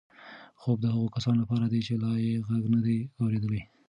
خوب د هغو کسانو لپاره دی چې لا یې غږ نه دی اورېدلی.